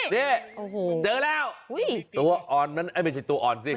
นี่เจอแล้วตัวอ่อนมันไม่ใช่ตัวอ่อนสิ